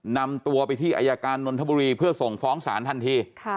นำตัวไปที่อายการนนทบุรีเพื่อส่งฟ้องศาลทันที